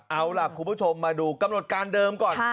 เอาล่ะคุณผู้ชมมาดูกำหนดการเดิมก่อน